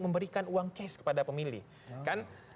memberikan uang case kepada pemilih kan